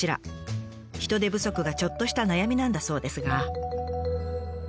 人手不足がちょっとした悩みなんだそうですが。